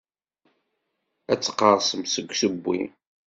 Ad teqqerṣemt seg usewwi.